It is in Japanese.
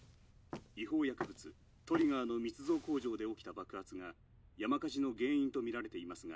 違法薬物トリガーの密造工場で起きた爆発が山火事の原因とみられていますが。